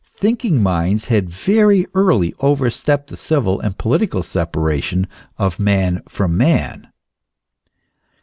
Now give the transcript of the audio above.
Thinking minds had very early overstepped the civil and political separation of man from man.